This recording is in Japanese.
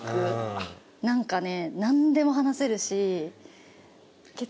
何かね。